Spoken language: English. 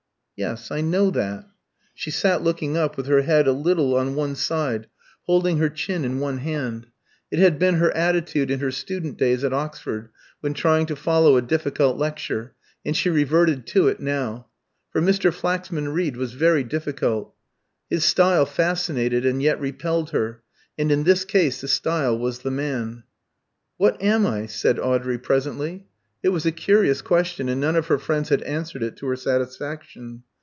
"Yes, I know that." She sat looking up, with her head a little on one side, holding her chin in one hand: it had been her attitude in her student days at Oxford when trying to follow a difficult lecture, and she reverted to it now. For Mr. Flaxman Reed was very difficult. His style fascinated and yet repelled her, and in this case the style was the man. "What am I?" said Audrey, presently. It was a curious question, and none of her friends had answered it to her satisfaction.